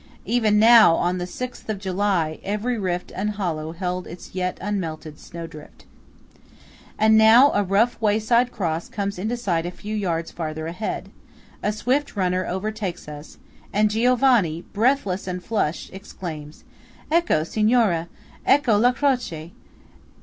Even now, on the sixth of July, every rift and hollow held its yet unmelted snowdrift. And now a rough wayside cross comes into sight a few yards farther ahead–a swift runner overtakes us–and Giovanni, breathless and flushed, exclaims:– "Ecco, Signore! Ecco la croce!